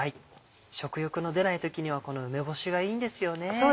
食欲の出ない時にはこの梅干しがいいんですよね。